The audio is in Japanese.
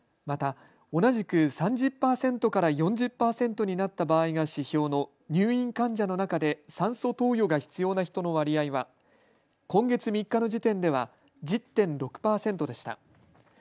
また同じく３０％から４０％になった場合が指標の入院患者の中で酸素投与が必要な人の割合は今月３日の時点では１０．６％でした。